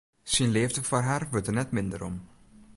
Syn leafde foar har wurdt der net minder om.